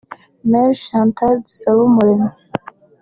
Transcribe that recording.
Marie Chantal Dusabumuremyi